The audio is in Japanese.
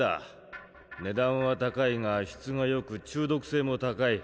値段は高いが質がよく中毒性も高い。